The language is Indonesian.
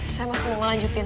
saya masih mau melanjutin